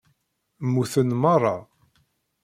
Muten meṛṛa.